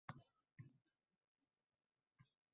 Faqat oldinga intilishni boshla!